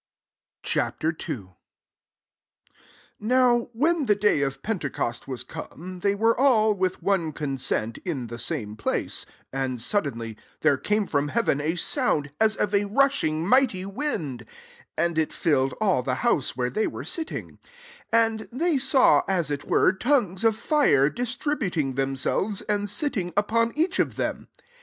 Ch. II. 1 ^NOW when the day of Pentecost was come, they were all, with one consent, in the same place, 2 and sudden ly, there came from heaven a sound, as of a rushing mighty wind ; and it filled all the house where they were sitting, 3 And they saw, as it were, tongues of fire, distributing themselves, and Mtting upon each of them.